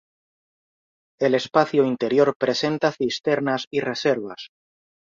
El espacio interior presenta cisternas y reservas.